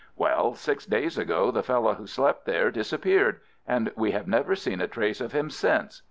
Well, six days ago the fellow who slept there disappeared, and we have never seen a trace of him since.